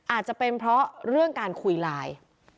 อาจจะเป็นเพราะเรื่องการคุยไลน์